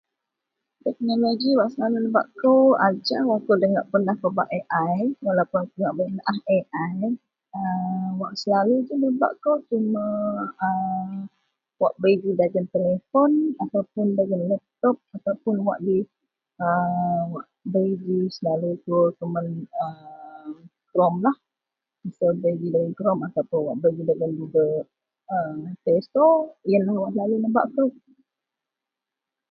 Teknologi wak nebak ajau aku debai pernah walaupun bei AI wak selalu ji nebak ko wak selalu dagen laptop